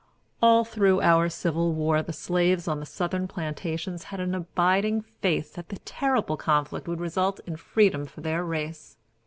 All through our Civil War the slaves on the Southern plantations had an abiding faith that the terrible conflict would result in freedom for their race.